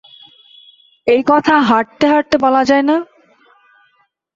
এই কথা হাঁটতে-হাঁটতে বলা যায় না।